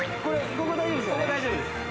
ここ大丈夫ですよね？